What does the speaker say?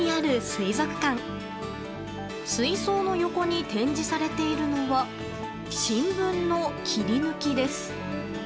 水槽の横に展示されているのは新聞の切り抜きです。